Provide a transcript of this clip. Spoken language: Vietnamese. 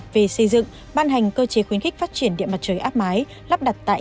về xây dựng ban hành cơ chế khuyến khích phát triển điện mặt trời áp mái